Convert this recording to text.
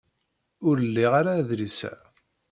Ur liɣ ara adlis-a.